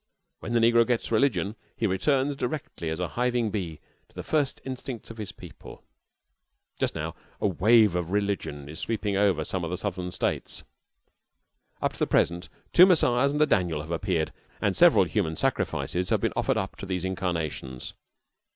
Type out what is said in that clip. When the negro gets religion he returns directly as a hiving bee to the first instincts of his people. Just now a wave of religion is sweeping over some of the Southern States. Up to the present two Messiahs and a Daniel have appeared, and several human sacrifices have been offered up to these incarnations.